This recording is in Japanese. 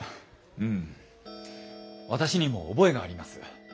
うん私にも覚えがあります。